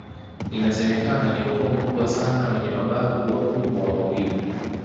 Inasemekana ni ukoo mkubwa sana wenye mababu wakubwa wawili